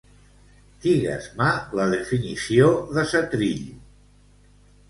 Digues-me la definició de setrill.